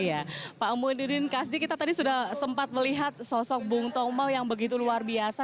iya pak muhydin kasdi kita tadi sudah sempat melihat sosok bung tomau yang begitu luar biasa